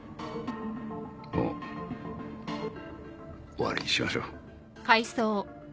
もう終わりにしましょう。